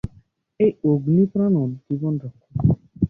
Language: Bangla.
এই অগ্নি প্রাণদ, জীবনরক্ষক।